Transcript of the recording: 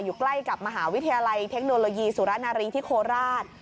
อยู่ใกล้กับมหาวิทยาลัยเทคโนโลยีสุรนารีที่โคราช